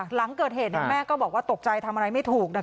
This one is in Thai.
หลังเกิดเหตุแม่ก็บอกว่าตกใจทำอะไรไม่ถูก